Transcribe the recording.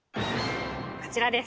こちらです。